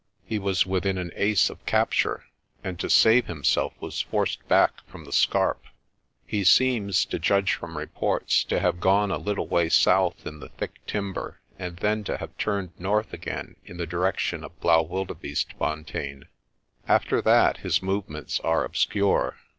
He was within an ace of capture, and to save himself was forced back from the scarp. He seems, to judge from reports, to have gone a little way south in the thicker timber and then to have turned north again in the direction of Blaauwildebeestefontein. After that his move ments are obscure.